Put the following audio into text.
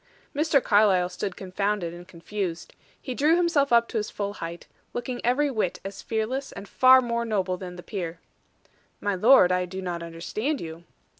Mr. Carlyle stood confounded, and confused. He drew himself up to his full height, looking every whit as fearless and far more noble than the peer. "My lord, I do not understand you."